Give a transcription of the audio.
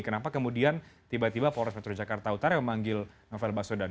kenapa kemudian tiba tiba polres metro jakarta utara memanggil novel baswedan